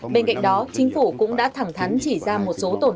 bên cạnh đó chính phủ cũng đã thẳng thắn chỉ ra một số tổn thương